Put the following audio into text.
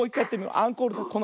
アンコールだよ。